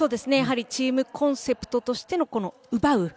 チームコンセプトとしての奪う。